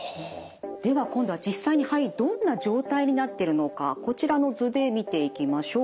では今度は実際に肺どんな状態になってるのかこちらの図で見ていきましょう。